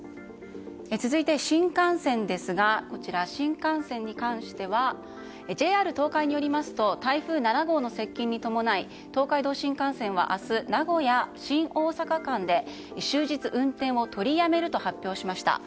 続いて、新幹線ですが新幹線に関してはＪＲ東海によりますと台風７号の接近に伴い東海道新幹線は明日、名古屋新大阪間で終日、運転を取りやめると発表しました。